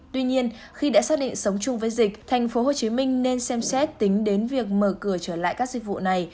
tuy nhiên khi đã xác định sống chung với dịch thành phố hồ chí minh nên xem xét tính đến việc mở cửa trở lại các dịch vụ này